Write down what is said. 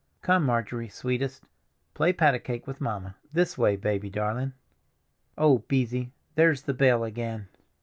Come, Marjorie, sweetest, play pat a cake with mamma—this way, baby darling. Oh, Beesy, there's the bell again!"